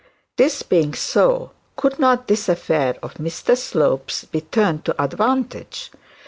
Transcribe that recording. This being so, could not this affair of Mr Slope's be turned to advantage?